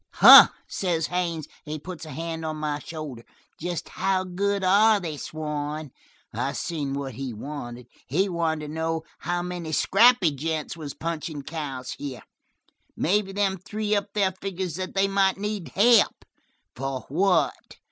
"'Huh,' says Haines, and he puts a hand on my shoulder, 'Just how good are they, Swann?'" "I seen what he wanted. He wanted to know how many scrappy gents was punchin' cows here; maybe them three up there figures that they might need help. From what?